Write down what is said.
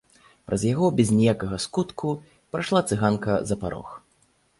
Праз яго без ніякага скутку пайшла цыганка за парог.